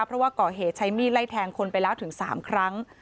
เพราะว่าก่อเหตุใช้มีดไล่แทงคนไปแล้วถึง๓ครั้ง